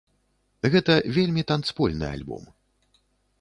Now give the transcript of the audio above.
Гэта вельмі танцпольны альбом.